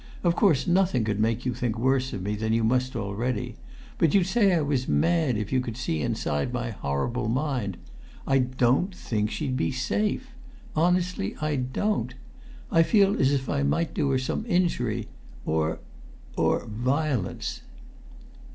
Of course nothing could make you think worse of me than you must already, but you'd say I was mad if you could see inside my horrible mind. I don't think she'd be safe; honestly I don't! I feel as if I might do her some injury or or violence!"